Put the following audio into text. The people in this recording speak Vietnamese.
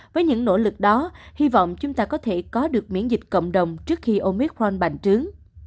với những nỗ lực đó hy vọng chúng ta có thể có được miễn dịch cộng đồng trước khi omicron bành trướng